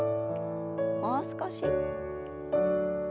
もう少し。